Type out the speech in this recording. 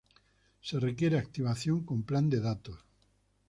Se requiere activación con plan de datos.